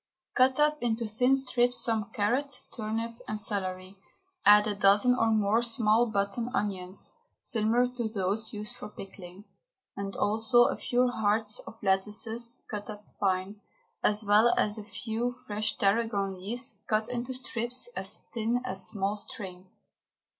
Cut up into thin strips some carrot, turnip and celery, add a dozen or more small button onions, similar to those used for pickling, and also a few hearts of lettuces cut up fine, as well as a few fresh tarragon leaves cut into strips as thin as small string.